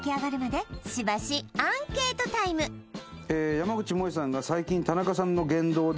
「山口もえさんが最近田中さんの言動で」